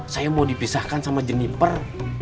saya mau dipisahkan sama jenniper